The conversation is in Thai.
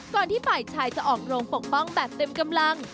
ที่ฝ่ายชายจะออกโรงปกป้องแบบเต็มกำลัง